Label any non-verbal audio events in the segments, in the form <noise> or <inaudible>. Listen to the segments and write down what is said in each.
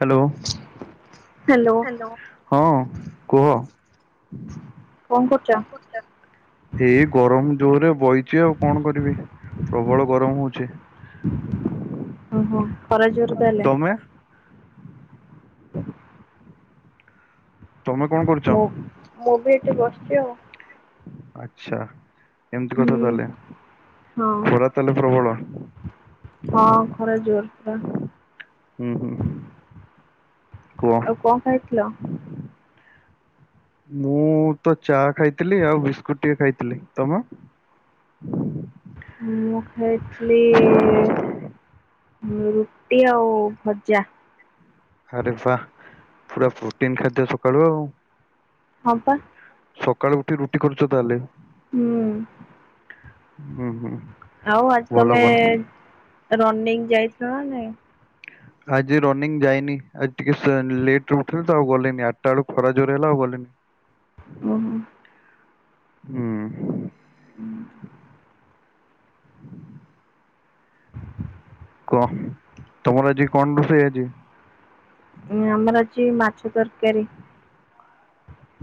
Hello. Hello. ହଁ କୁହ। କଣ କରୁଛ? ଏଇ ଗରମ ଜୋରେ ବଇଚି ଆଉ କଣ କରିବି। ପ୍ରବଳ ଗରମ ହୋଊଚି। ଓହୋ ଖରା ଜୋର ତାହେଲେ। ତମେ ତମେ କଣ କରୁଛ ମୁଁ ମୁଁ ବି ଏଠି ବସିଚି ଆଉ। ଆଛା ଏମିତି ହୁଁ କଥା ତାହେଲେ। ହଁ ଖରା ତାହେଲେ ପ୍ରବଳ ହଁ ଖରା ଜୋର ପା। ହୁଁ ହୁଁ କୁହ। ଆଉ କଂ ଖାଇଥିଲ। ମୁଁ ତ ଚା ଖାଇଥିଲି ଆଉ ବିସ୍କୁଟ ଟିକେ ଖାଇଥିଲି ତମ। ମୁଁ ଖାଇଥିଲି ରୁଟି ଆଉ ଭଜା। ଆରେ ବା ପୁରା ପ୍ରୋଟିନ ଖାଦ୍ୟ ସକାଳୁ ଆଉ। ହଁ ପା। ସକାଳୁ ଉଠି ରୁଟି କରୁଚ ତାହେଲେ। ହୁଁ। ହୁଁ ହୁଁ। ଆଉ ଆଜି ଭଲ ତମେ ଭଲ ରନିଂ ଯାଇଥିଲ ନା ନାଇଁ। ଆଜି ରନିଂ ଯାଇନି ଆଜି ଟିକେ ସୋ ଲେଟ୍ରେ ଉଠିଲି ତ ଆଉ ଗଲେନି ଆଠଟା ବେଳକୁ ଖରା ଜୋରେ ହେଲା ଆଉ ଗଲିନି। ଓ ହ। ହୁଁ। ହୁଁ। କହ ତମର ଆଜି କଣ ରୋଷେଇ ଆଜି? ଉଁ ଆମର ଅଛି ମାଛ ତରକାରୀ।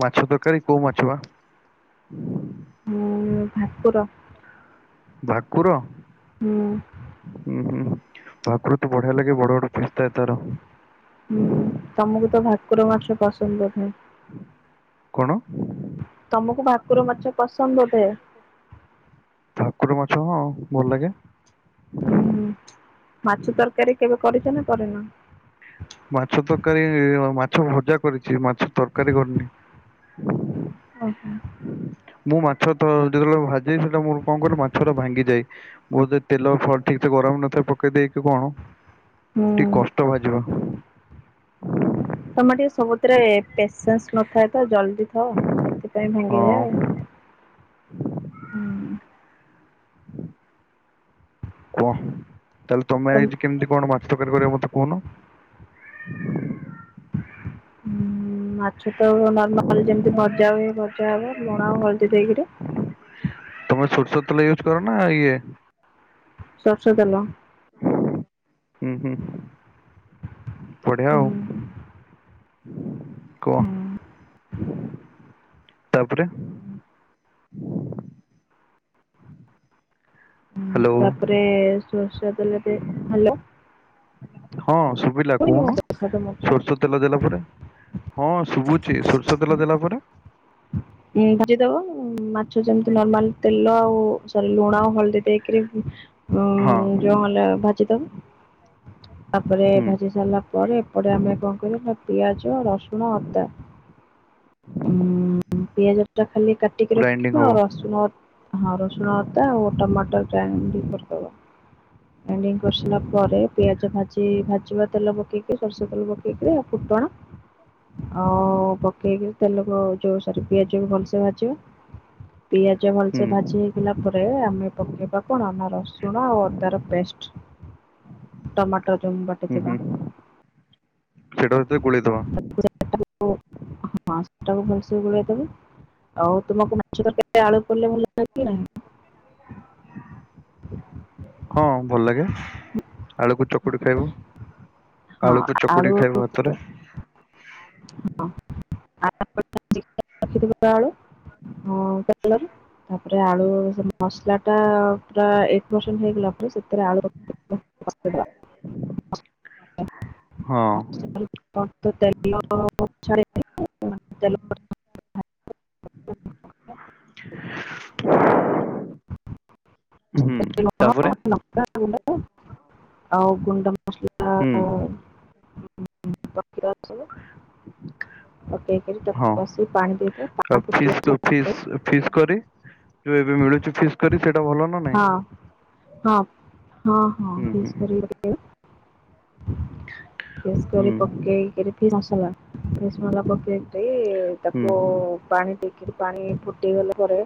ମାଛ ତରକାରୀ କୋଉ ମାଛ ବା ମୁଁ ଭାକୁର। ଭାକୁର? ହୁଁ। ହୁଁ ହୁଁ ଭାକୁର ତ ବଢିଆ ଲାଗେ ବଡ ବଡ ପିସ୍ ଥାଏ ତାର। ହୁଁ ତମକୁ ତ ଭାକୁର ମାଛ ପସନ୍ଦ ବୋଧେ। କଣ ତମକୁ ଭାକୁର ମାଛ ପସନ୍ଦ ବୋଧେ? ଭାକୁର ମାଛ ହଁ ଭଲ ଲାଗେ। ହୁଁ ହୁଁ ମାଛ ତରକାରୀ କେବେ କରିଛ ନା କରିନ? ମାଛ ତରକାରୀ, ମାଛ ଭଜା କରିଛି, ମାଛ ତରକାରୀ କରିନି। ଓହୋ। ମୁଁ ମାଛ ତ ଯେତେବେଳେ ଭାଜେ ସେଟା ମୁ କଣ କହିଲ, ମାଛ ଟା ଭାଙ୍ଗିଯାଏ ମୋର ତେଲ ଫ ଠିକ ସେ ଗରମ ନଥାଏ ପକେଇ ଦେଇକି କଣ, ହୁଁ ଟିକେ କଷ୍ଟ ଭାଜିବ ତମର ଟିକେ ସବୁଥିରେ ପେସେନ୍ସ ନଥାଏ ତ ଜଲଦି ଅ ସେଥିପାଇଁ ଭାଙ୍ଗିଯାଏ ହଁ ଆଉ। ହୁଁ। କୁହ ତାଲେ ତମ ତ ଆଇଜି କେମିତି କଣ ମା ତରକାରୀ କରିବା ମତେ କୁହନ। ହଁ ମାଛ ତ, ନର୍ମାଲ ଯେମିତି ଭଜା ହୁଏ, ଭଜା ହବ ଲୁଣ ଆଉ ହଳଦୀ ଦେଇକିରି। ତମେ ସୋରିଷ ତଲେ ୟୁଜ କର ନା ଇଏ ସୋରିଷ ତେଲ। ଉଁ ହୁଁ ବଢିଆ ଆଉ। କୁହ ତାପରେ। ହୁଁ। <inaudible> ହୁଁ ହ୍ୟାଲୋ ତାପରେ ସୋରିଷ ତେଲ ଦେଇ, ହ୍ୟାଲୋ। ହଁ ଶୁବୁ ଶୁଭିଲା ଶୁଭୁନି ମୋ କହୁନ। କଥା ତମକୁ? ସୋରିଷ ତେଲ ଦେଲା ପରେ, ହଁ ଶୁଭୁଛି ସୋରିଷ ତେଲ ଦେଲା ପରେ? ହୁଁ ଭାଜିଦବ ମାଛ ଯେମିତି ନର୍ମାଲ ତେଲ ଆଉ ଲୁଣ ହଳଦୀ ଦେଇକିରି ହଁ ଯୋଉ ହେଲା ଭାଜିଦବ। ତାପରେ ହୁଁ ଭାଜି ସାରିଲା ପରେ, ଏପଟ ଆମେ କଣ କରିବୁ ନା ପିଆଜ ରସୁ ଶୁଣ, ଅଦା। ଉଁ ପିଆଜ ଟା ଖାଲି କାଟିକି ଗ୍ରାଇଣ୍ଡିଙ୍ଗ ରଖିବ ହବ ଆଉ ରସୁଣ ହଁ ରସୁଣ ଆଦା ଆଉ ଟମାଟ ଗ୍ରାଇଣ୍ଡିଙ୍ଗ କରିଦବ। ଗ୍ରାଇଣ୍ଡିଙ୍ଗ କରିସାରିଲା ପରେ ପିଆଜ ଭାଜି ଭାଜିବା ତେଲ ପକେଇକି, ସୋରିଷ ତେଲ ପକେଇକି ଆଉ ଫୁଟଣ ଆଉ ପକେଇକି, ତେଲ ଯୋଉ ସରି ପିଆଜ କୁ ଭଲସେ ଭାଜିବ। ପିଆଜ ଜ ହୁଁ ଭଲସେ ଭାଜି ହେଇଗଲା ପରେ ଆମେ ପକେଇବା କଣ, ନା ରସୁଣ ଆଉ ଅଦାର ପେଷ୍ଟ। ଟମାଟ ଯଉମ ହୁଁ ହୁଁ ବାଟିଥିବା। ସେଟା ଆଉଥରେ ଗୁଳେଇଦବା। ହଁ ସେଟାକୁ ଭଲସେ ଗୁଲେଇଲା ପରେ। ଆଉ ତୁମକୁ ମାଛ ତରକାରିରେ ଆଳୁ ପଡିଲେ ଭଲ ଲାଗେ? ହଁ ଭଲ ଲାଗେ। ଆଳୁକୁ ଚକୁଡି ଖାଇବ ଆଳୁକୁ ଚକୁଡି କି ଖାଇବ ଭାତରେ। ହ ଆଖି ବେଳୁ <unintelligible> ହଁ କ୍ଯ୍ୟଟଲେର। ତାପରେ ଆଳୁ ମସଲା ଟା ପୁରା ଏଇଟ ପରସେଣ୍ଟ ହେଇଗଲା ପରେ ସେଥିରେ ଆ ନ ହଁ <unintelligible> ତେଲଛେଲ <unintelligible> ହ <unintelligible> <unintelligible> ଆଉ ଗୁଣ୍ଡ ହୁଁ। ି <unintelligible> ପକେଇକି ହଁ ତାକୁ କସି ପାଣି ଦେଇକି ଆଉ ପାଣି ଫୁଟେ ଫିସ୍ ଆସିଲା ପରେ ଫିସ୍ ଫିସ୍ କରି ଯୋଉ ଏବେ ମିଳୁଛି ଫିସ୍ କରି ସେଟା ଭଲ ନା। ନାଇଁ ହଁ ହଁ ହଁ ହଁ ହୁଁ ଫିସ ହୁଁ କରି କି ଫିସ୍ ହୁଁ କରି ପକେଇକିରି ଫି ମସଲା। ଫିସ୍ ମସଲା ପକେଇକିରି ହୁଁ ତାକୁ ପାଣି ଦେ କିରି ପାଣି ଫୁଟଗଲା ପରେ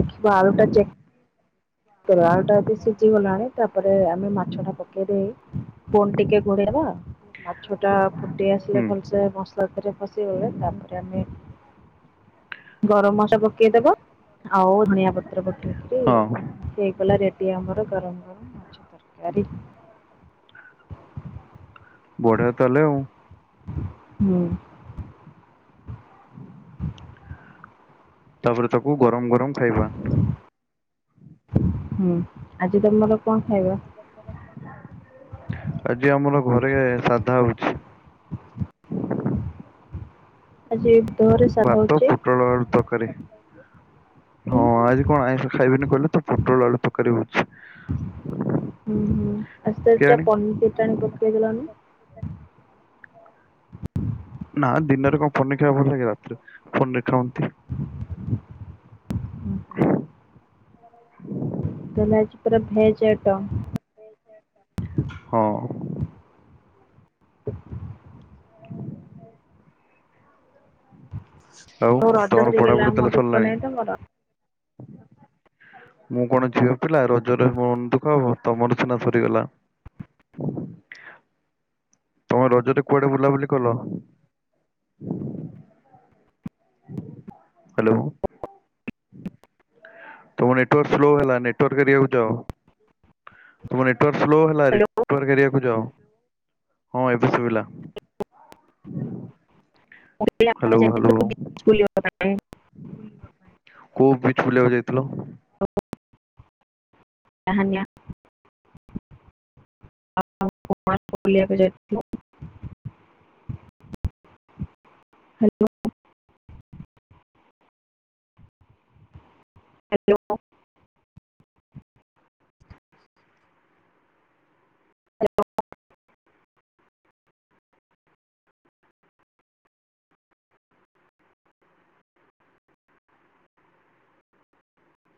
ଦେଖିବା ଆଳୁ ଟା ଚେକ୍ କର ଆଳୁ ଟା ଯଦି ସିଝି ଗଲାଣି ତାପରେ ଆମେ ମାଛ ଟା ପକେଇ ଦେଇ ଫୁନ ଟିକେ ଘୋଡେଇବା ମାଛ ଟା ଫୁଟି ଆସିଲେ ହୁଁ ଭଲସେ ମ ରେ କସି ହେଲେ ତାପରେ ଆମେ ଗରମ ମସଲା ପକେଇଦବ ଆଉ ଧନିଆ ପତ୍ର ପକେଇକିରି ହଁ ହେଇଲା ରେଟି ଆମର ଗରମ ଗରମ୍ ମାଛ ତରକାରୀ। ବଢିଆ ତାହଲେ ଆଉ ହଁ। ହୁଁ। ତାପରେ ତାକୁ ଗରମ ଗରମ ଖାଇବା। ହୁଁ ଆଜି ତମର କଣ ଖାଇବା? ଆଜି ଆମର ଘରେ ସାଧା ହଉଛି। ଆଜି ଏଇ ବୁଧବାରେ ସାଦା ଭାତ ହଉଛି। ପୋଟଳ ଆଳୁ ତରକାରୀ ହଁ ଆଜି କଣ୍ ଆଇଁଷ ଖାଇବିନି କହିଲେ ତ ପୋଟଳ ଆଳୁ ତ କରିବୁଛି ହୁଁ ହୁଁ ଆ ସେ ଟା କେଜାଣି। ପନି ସେଟା ଆଣି ପକେଇ ଦେଲନି। ନା ଦିନରେ କଣ ପନିଟା ଭଲ ଲାଗିବ ପନରଟ ହନ୍ତି। ମୁଁ କହିଲି ଆଜି ପୁରା ଭେଜ୍‌ ଆଇଟମ୍। ହଁ। ଆଉ ତୋ ରଜ ତମର ସରିଗଲା ପଢାପଢି ମନ ତାହେଲେ ଦୁଃଖ ସରିଲାଣି? ନାହିଁ ତମର। ମୁଁ କଣ ଝିଅ ପିଲା ରଜରେ ମ ଦୁଃଖ ତମର ସିନା ସରିଗଲା। ତମ ରଜରେ କୁଆଡେ ବୁଲା ବୁଲିକଲ। ହ୍ୟାଲୋ। ତମ ନେଟୱାରକ ସ୍ଲୋ ହେଲା ନେଟୱର୍କ ଆଡକୁ ଯାଅ ତମ ନେଟୱ୍ଵର୍କ ସ୍ଲୋ ହ୍ୟାଲୋ ହେ କୁ ଯାଉ ହଁ ଏବେ ଶୁୋଇିଲା। ମୁଁ କଇଲି ଆପଣ ହ୍ୟାଲୋ ହ୍ୟାଲୋ ଯାଇଥିଲେ ବୁଲିବା ପାଇଁ। କୋଉ ବିଚ୍ ବୁଲିଆକୁ ଯାଇଥିଲ? କାହା ନିଆ ପ୍ ଆପଣ କୁଆଡ଼େ ବୁଲିବାକୁ ଯାଇଥିଲ। ହ୍ୟାଲୋ। ହାଲୋ। <inaudible>